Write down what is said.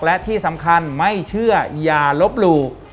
และที่สำคัญไม่เชื่ออย่าลบหลู่